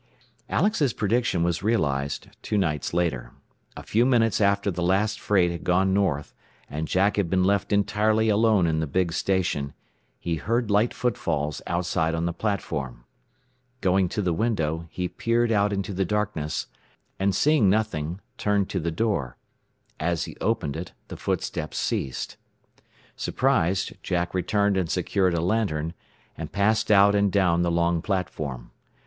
Alex's prediction was realized two nights later. A few minutes after the last freight had gone north, and Jack had been left entirely alone in the big station, he heard light footfalls outside on the platform. Going to the window, he peered out into the darkness, and seeing nothing, turned to the door. As he opened it the footsteps ceased. Surprised, Jack returned and secured a lantern, and passed out and down the long platform.